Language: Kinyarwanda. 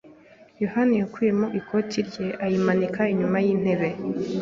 yohani yakuyemo ikoti rye ayimanika inyuma y'intebe.